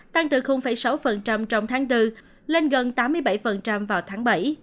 tăng từ sáu trong tháng bốn lên gần tám mươi bảy vào tháng bảy